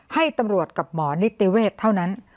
ให้ตำรวจกับหมอนิติเวศเท่านั้น